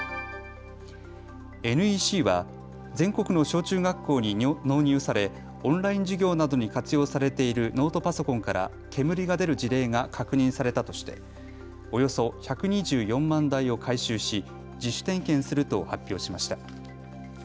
ＮＥＣは全国の小中学校に納入されオンライン授業などに活用されているノートパソコンから煙が出る事例が確認されたとしておよそ１２４万台を回収し自主点検すると発表しました。